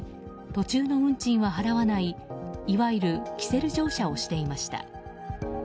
途中の運賃は払わないいわゆるキセル乗車をしていました。